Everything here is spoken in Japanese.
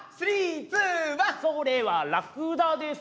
「それはラクダです」